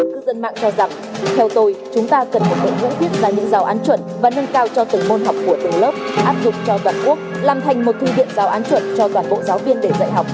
cư dân mạng cho rằng theo tôi chúng ta cần một đội ngũ tiếp ra những giáo án chuẩn và nâng cao cho từng môn học của từng lớp áp dụng cho toàn quốc làm thành một thư viện giáo án chuẩn cho toàn bộ giáo viên để dạy học